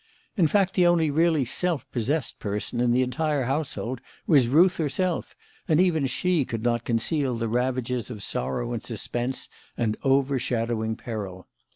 In fact, the only really self possessed person in the entire household was Ruth herself, and even she could not conceal the ravages of sorrow and suspense and overshadowing peril.